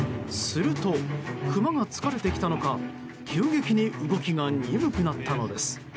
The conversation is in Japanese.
すると、クマが疲れてきたのか急激に動きが鈍くなったのです。